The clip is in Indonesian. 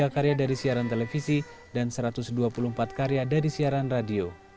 tiga karya dari siaran televisi dan satu ratus dua puluh empat karya dari siaran radio